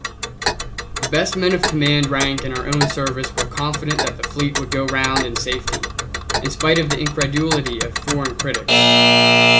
The best men of command rank in our own service were confident that the fleet would go round in safety, in spite of the incredulity of foreign critics.